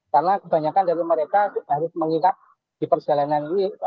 karena kebanyakan dari mereka harus mengingat di perjalanan ini